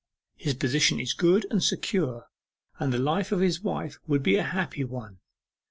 His position is good and secure, and the life of his wife would be a happy one.